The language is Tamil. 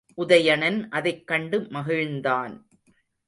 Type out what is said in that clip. உதயணன் அதைக் கண்டு மகிழ்ந்தான்.